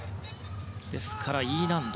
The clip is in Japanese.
ですから、Ｅ難度。